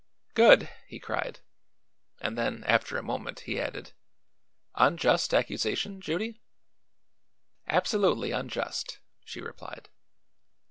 "Good!" he cried; and then, after a moment, he added: "Unjust accusation, Judy?" "Absolutely unjust," she replied.